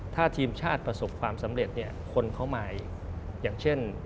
ถ้าทีมชาติประสบความสำเร็จเนี่ยคนเข้ามาอีกอย่างเช่น